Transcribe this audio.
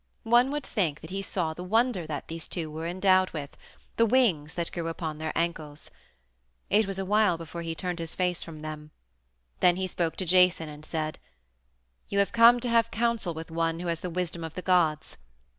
One would think that he saw the wonder that these two were endowed with the wings that grew upon their ankles. It was awhile before he turned his face from them; then he spoke to Jason and said: "You have come to have counsel with one who has the wisdom of the gods.